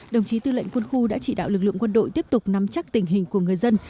đồng chí tư lệnh quân khu đã chỉ đạo lực lượng quân đội tiếp tục nắm chắc tình hình của người dân